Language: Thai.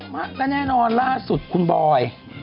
ฮะก็แน่นอนล่าสุดคุณบอย